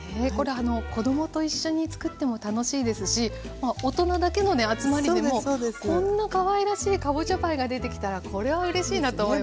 子供と一緒につくっても楽しいですし大人だけのね集まりでもこんなかわいらしいかぼちゃパイが出てきたらこれはうれしいなと思います。